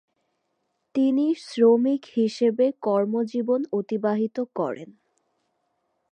তিনি শ্রমিক হিসেবে কর্মজীবন অতিবাহিত করেন।